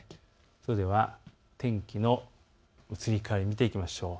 それでは天気の移り変わりを見ていきましょう。